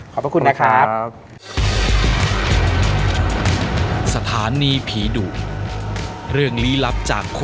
ขอบคุณนะครับ